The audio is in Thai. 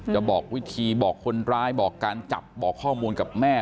บอกวิธีบอกคนร้ายบอกการจับบอกข้อมูลกับแม่